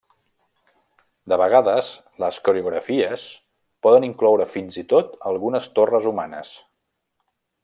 De vegades, les coreografies poden incloure fins i tot algunes torres humanes.